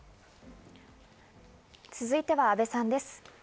続いては阿部さんです。